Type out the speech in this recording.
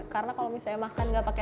karena kalau misalnya makan gak pake